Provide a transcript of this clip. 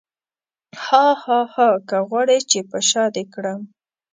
هاهاها که غواړې چې په شاه دې کړم.